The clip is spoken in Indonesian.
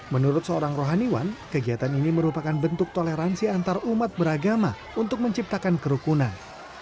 menurut seorang rohaniwan kegiatan ini merupakan bentuk toleransi antarumat beragama untuk menciptakan kerukunan